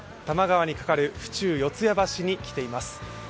多摩川にかかる府中四谷橋に来ています。